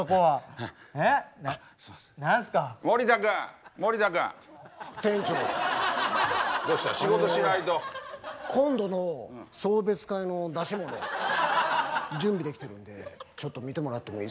あの今度の送別会の出し物準備できてるんでちょっと見てもらってもいいですか。